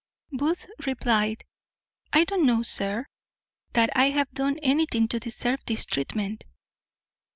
Booth replied, "I don't know, sir, that I have done anything to deserve this treatment."